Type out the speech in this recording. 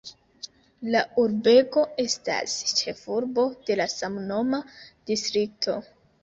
La urbego estas ĉefurbo de la samnoma distrikto.